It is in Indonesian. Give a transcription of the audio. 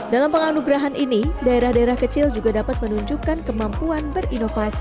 dalam penganugerahan ini daerah daerah kecil juga dapat menunjukkan kemampuan berinovasi